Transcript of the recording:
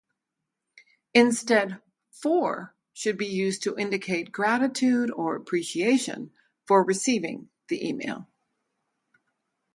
Instead, "for" should be used to indicate gratitude or appreciation for receiving the email.